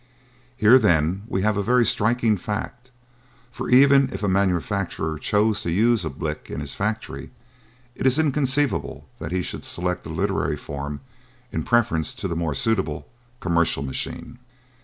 Here, then, we have a very striking fact, for even if a manufacturer chose to use a 'Blick' in his factory, it is inconceivable that he should select the literary form in preference to the more suitable 'commercial' machine."